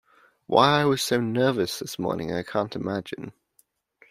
Why I was so nervous this morning I can't imagine.